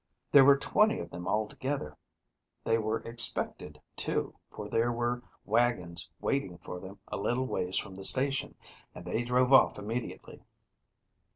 There were twenty of them altogether. They were expected, too, for there were wagons waiting for them a little ways from the station, and they drove off immediately."